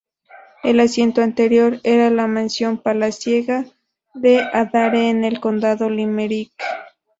El asiento anterior era la mansión palaciega de Adare en el condado Limerick.